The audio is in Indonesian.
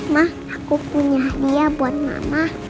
mak aku punya hadiah buat mama